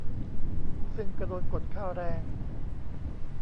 ซึ่งก็โดนกดค่าแรง